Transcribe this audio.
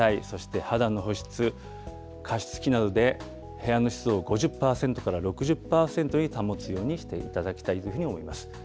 そして肌の保湿、加湿器などで部屋の湿度を５０％から６０％に保つようにしていただきたいというふうに思います。